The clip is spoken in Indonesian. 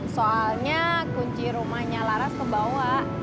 soalnya kunci rumahnya laras ke bawah